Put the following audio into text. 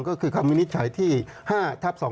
ก็คือคำวินิจฉัยที่๕ทับ๒๕๖